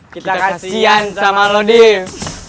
kita kasihan sama rodim